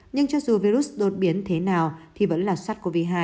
nhưng cho dù virus đột biến thế nào thì vẫn là sars cov hai